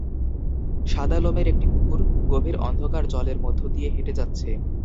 সাদা লোমের একটা কুকুর গভীর অন্ধকার জলের মধ্যে দিয়ে হেঁটে যাচ্ছে।